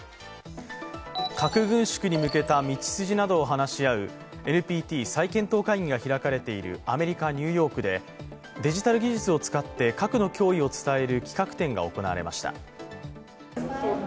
核軍縮に向けた道筋などを話し合うＮＰＴ再検討会議が開かれているアメリカ・ニューヨークでデジタル技術を使って核の脅威を伝える企画展が行われました。